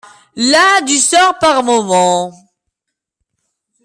Las du sort par moments